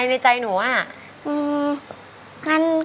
ก็คือร้องให้เหมือนเพลงเมื่อสักครู่นี้